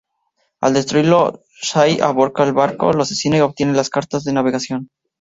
Al destruirlo, Shay aborda el barco, lo asesina y obtiene las cartas de navegación.